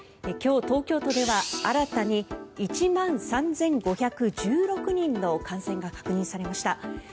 今日、東京都では新たに１万３５１６人の感染が確認されました。